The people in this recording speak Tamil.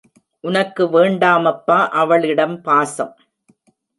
உனக்கு வேண்டாமப்பா அவளிடம் பாசம்!